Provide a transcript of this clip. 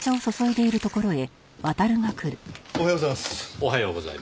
おはようございます。